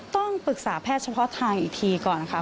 ต้องปรึกษาแพทย์เฉพาะทางอีกทีก่อนค่ะ